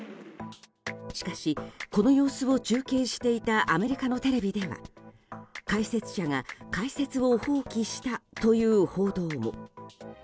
しかし、この様子を中継していたアメリカのテレビでは解説者が解説を放棄したという報道も。